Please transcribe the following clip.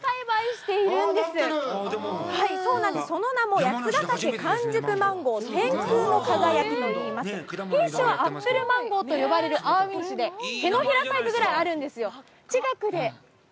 その名も八ヶ岳完熟マンゴー、天空の輝きといいまして、品種はアップルマンゴーと呼ばれるアーウィン種で、手の平サイズもあるんですよ。